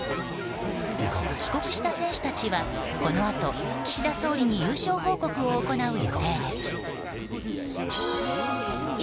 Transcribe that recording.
帰国した選手たちはこのあと、岸田総理に優勝報告を行う予定です。